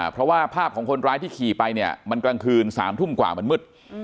เพราะว่าภาพของคนร้ายที่ขี่ไปเนี่ยมันกลางคืน๓ทุ่มกว่ามันมืด